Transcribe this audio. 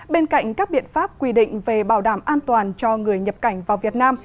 bên cạnh các biện pháp quy định về bảo đảm an toàn cho người nhập cảnh vào việt nam